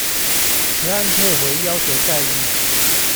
此案退回要求再議